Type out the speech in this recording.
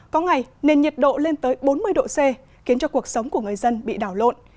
có ngày nền nhiệt độ lên tới bốn mươi độ c khiến cho cuộc sống của người dân bị đảo lộn